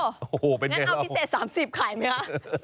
โอ้โหงั้นเอาพิเศษ๓๐บาทขายไหมคะ